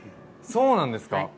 そうなんですか？